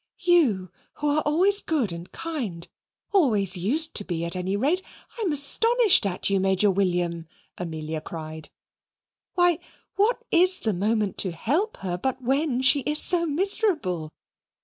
"You who are always good and kind always used to be at any rate I'm astonished at you, Major William," Amelia cried. "Why, what is the moment to help her but when she is so miserable?